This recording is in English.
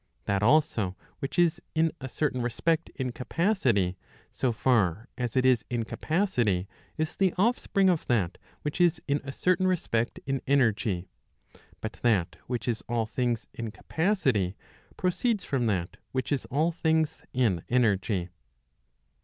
That also which is in a certain respect in capacity, so far as it is in capacity, is the offspring of that which is in a certain respect in energy. But that which is all things in capacity, proceeds from that which is all things in energy.